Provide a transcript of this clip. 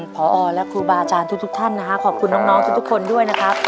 พอและครูบาอาจารย์ทุกท่านนะฮะขอบคุณน้องทุกคนด้วยนะครับ